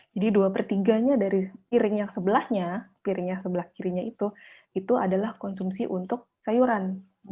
jadi dua per tiga nya dari piring yang sebelahnya piring yang sebelah kirinya itu itu adalah konsumsi untuk sayuran